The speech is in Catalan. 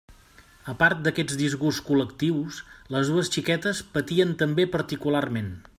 A part d'aquests disgusts col·lectius, les dues xiquetes patien també particularment.